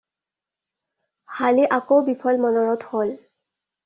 হালি আকৌ বিফল-মনোৰথ হ'ল।